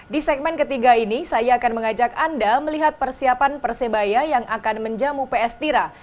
di segmen ketiga ini saya akan mengajak anda melihat persiapan persebaya yang akan menjamu ps tira